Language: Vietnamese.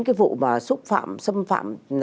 cái vụ mà xúc phạm xâm phạm